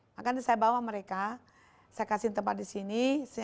makanya saya bawa mereka saya kasih tempat di sini